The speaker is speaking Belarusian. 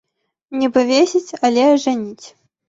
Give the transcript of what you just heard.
Не павесіць, але ажаніць.